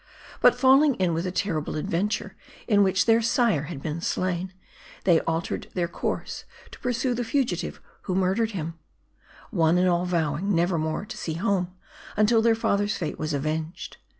But falling in with a terrible adventure, in which their sire had been slain, they altered their course to pursue the fugitive who murdered him ; one and all vowing, never more to see home, until their father's fate was avenged.